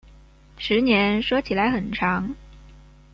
十年说起来很长